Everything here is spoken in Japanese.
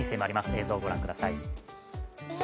映像をご覧ください。